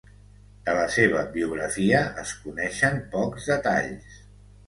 De la seva biografia es coneixen pocs detalls.